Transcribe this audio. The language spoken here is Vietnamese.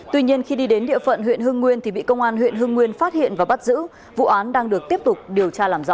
tuy nhiên khi đi đến địa phận huyện hưng nguyên thì bị công an huyện hưng nguyên phát hiện và bắt giữ vụ án đang được tiếp tục điều tra làm rõ